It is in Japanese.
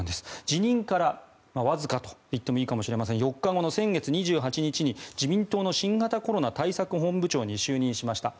辞任からわずかといってもいいかもしれません４日後の先月２８日に自民党の新型コロナ対策本部長に就任しました。